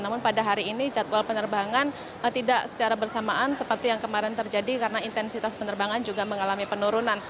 namun pada hari ini jadwal penerbangan tidak secara bersamaan seperti yang kemarin terjadi karena intensitas penerbangan juga mengalami penurunan